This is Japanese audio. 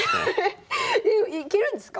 いけるんですか？